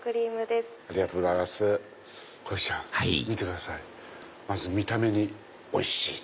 はい見た目においしい！